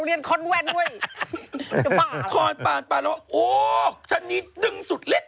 เพิ่งผ้าเหรอ